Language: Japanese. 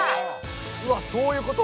うわそういうこと